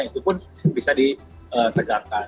itu pun bisa ditegakkan